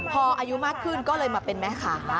พออายุมากขึ้นก็เลยมาเป็นแม่ค้า